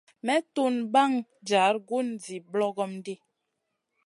May tun ɓaŋ jar gun zi ɓlogom ɗi.